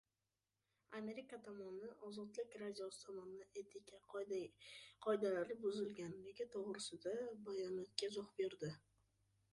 Amerika tomoni "Ozodlik" radiosi tomonidan etika qoidalari buzilganligi to‘g‘risidagi bayonotga izoh berdi